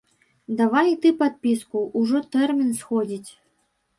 Давай і ты падпіску, ужо тэрмін сходзіць.